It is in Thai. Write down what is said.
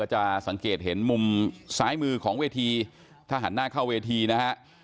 เห็นมุมซ้ายมือของเวทีทหารหน้าเข้าเวทีนะฮะ